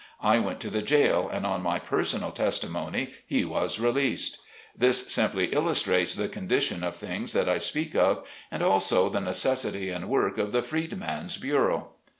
I went to the jail, and on my personal testimony, he was released. This simply illustrates the condition of things that I speak of, and also the necessity and work of the Freedman's Bureau.